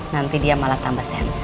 nanti dia malah tambah sense